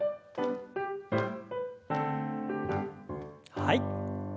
はい。